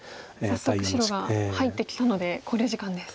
早速白が入ってきたので考慮時間です。